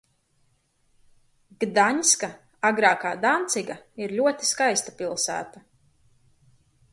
Gdaņska, agrāka Danciga, ir ļoti skaista pilsēta.